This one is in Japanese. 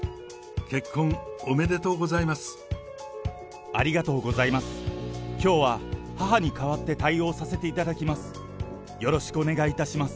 結婚おめでとうございます。